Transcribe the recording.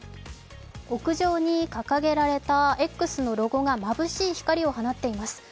屋上に掲げられたＸのロゴがまぶしい光を放っています。